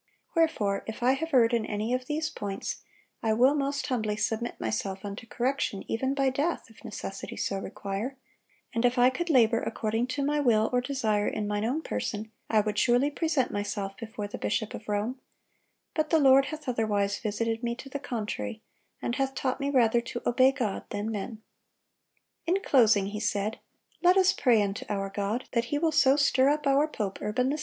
Wherefore, if I have erred in any of these points, I will most humbly submit myself unto correction, even by death, if necessity so require; and if I could labor according to my will or desire in mine own person, I would surely present myself before the bishop of Rome; but the Lord hath otherwise visited me to the contrary, and hath taught me rather to obey God than men." In closing he said: "Let us pray unto our God, that He will so stir up our pope Urban VI.